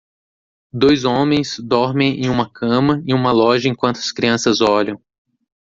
Dois homens dormem em uma cama em uma loja enquanto as crianças olham.